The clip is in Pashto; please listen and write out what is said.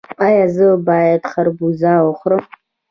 ایا زه باید خربوزه وخورم؟